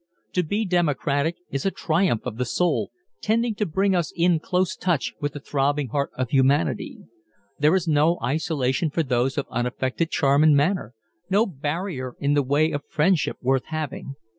To be democratic is a triumph of the soul tending to bring us in close touch with the throbbing heart of humanity. There is no isolation for those of unaffected charm and manner no barrier in the way of friendship worth having.